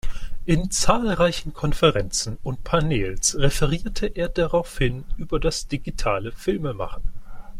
In zahlreichen Konferenzen und Panels referierte er daraufhin über das digitale Filme machen.